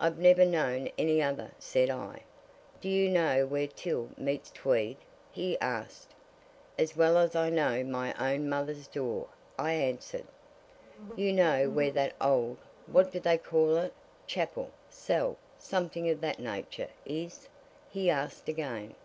"I've never known any other," said I. "Do you know where Till meets Tweed?" he asked. "As well as I know my own mother's door!" I answered. "You know where that old what do they call it? chapel, cell, something of that nature, is?" he asked again.